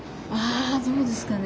どうですかね。